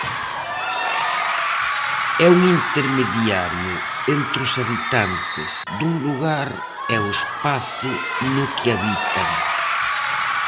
É un intermediario entre os habitantes dun lugar e o espazo no que habitan.